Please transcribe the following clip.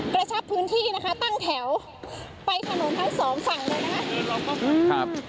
กระชับพื้นที่นะคะตั้งแถวไปถนนทั้งสองฝั่งเลยนะคะ